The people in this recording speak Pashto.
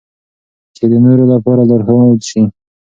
چې د نورو لپاره لارښود شي.